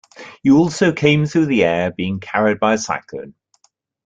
You also came through the air, being carried by a cyclone.